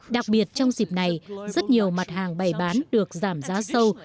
đặc biệt trong dịp này rất nhiều mặt hàng bày bán được giảm giá sâu